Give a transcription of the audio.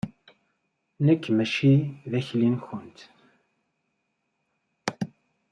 Nekk mačči d akli-nkent.